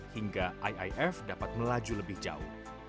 hingga iif dapat melaju lebih jauh